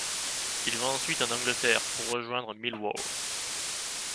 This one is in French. Il va ensuite en Angleterre pour rejoindre Millwall.